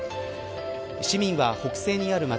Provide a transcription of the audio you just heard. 市民は、北西にある街